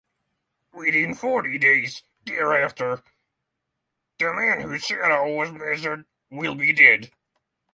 Within forty days thereafter the man whose shadow was measured will be dead.